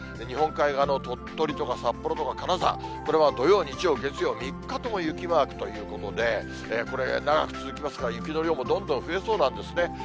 日本海側の鳥取とか札幌とか金沢、これは土曜、日曜、月曜、３日とも雪マークということで、これ、長く続きますから、雪の量もどんどん増えそうなんですね。